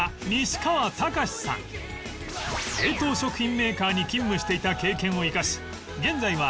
冷凍食品メーカーに勤務していた経験を生かし現在は